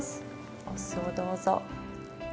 お酢をどうぞ。